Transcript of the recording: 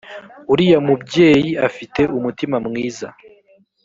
uriya mubyeyi afite umutima mwiza